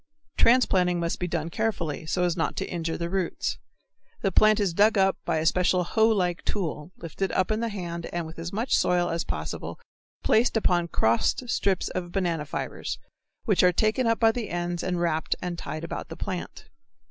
Transplanting must be done carefully, so as not to injure the roots. The plant is dug up by a special hoe like tool, lifted up in the hand with as much soil as possible, placed upon crossed strips of banana fibres, which are taken up by the ends and wrapped and tied about the plant.